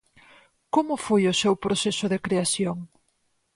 Como foi o seu proceso de creación?